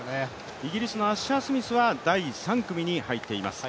イギリスのアッシャースミスは第３組に入っています。